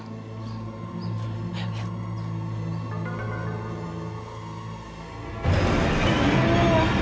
tetep mengapain namanya